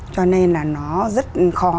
cho nên là nó rất khó